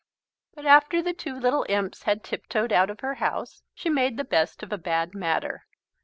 But after the two little imps had tiptoed out of her house, she made the best of a bad matter.